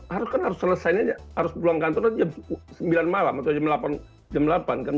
harus kan harus selesainya harus pulang kantor jam sembilan malam atau jam delapan jam delapan kan jam dua puluh